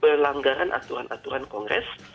berlanggaran aturan aturan kongres